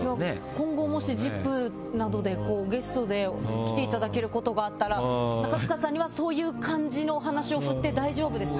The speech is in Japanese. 今後もし「ＺＩＰ！」などでゲストで来ていただけることがあったら中務さんには、そういう感じのお話を振って大丈夫ですか？